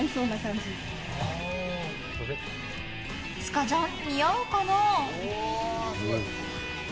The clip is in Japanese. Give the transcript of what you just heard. スカジャン、似合うかな？